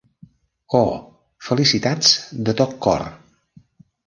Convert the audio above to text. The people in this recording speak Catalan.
Oh! Felicitats de tot cor.